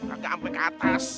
gak ke ampe ke atas